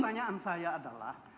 pertanyaan saya adalah